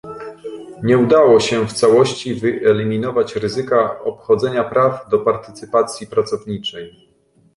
Nie udało się w całości wyeliminować ryzyka obchodzenia praw do partycypacji pracowniczej